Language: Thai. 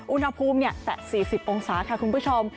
อุณหภูมิแต่๔๐องศาค่ะคุณผู้ชม